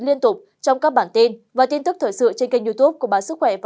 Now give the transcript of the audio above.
liên tục trong các bản tin và tin tức thời sự trên kênh youtube của bản sức khỏe và